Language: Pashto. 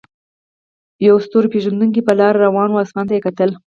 یو ستور پیژندونکی په لاره روان و او اسمان ته یې کتل.